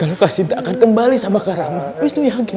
kalau kau cinta akan kembali sama rama kau yakin